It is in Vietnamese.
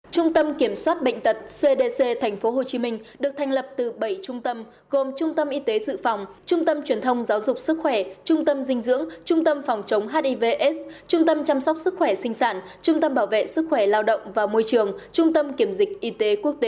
trung tâm kiểm soát bệnh tật cdc tp hcm được thành lập từ bảy trung tâm gồm trung tâm y tế dự phòng trung tâm truyền thông giáo dục sức khỏe trung tâm dinh dưỡng trung tâm phòng chống hivs trung tâm chăm sóc sức khỏe sinh sản trung tâm bảo vệ sức khỏe lao động và môi trường trung tâm kiểm dịch y tế quốc tế